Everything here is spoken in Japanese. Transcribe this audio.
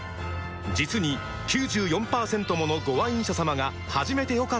実に９４％ものご愛飲者様が「始めてよかった！」と答えています